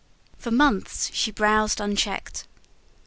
For months, she browsed unchecked.